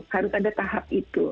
harus ada tahap itu